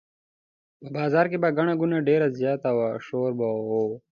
په بازار کې به ګڼه ګوڼه ډېره زیاته وه شور به و.